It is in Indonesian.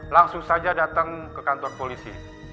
langsung saja datang ke kantor polisi